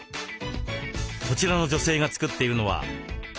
こちらの女性が作っているのは。